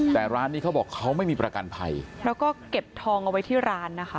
แต่ร้านนี้เขาบอกเขาไม่มีประกันภัยแล้วก็เก็บทองเอาไว้ที่ร้านนะคะ